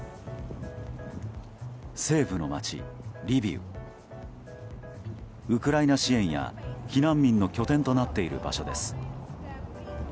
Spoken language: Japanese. ウクライナ支援や避難民の拠点となっている場所です。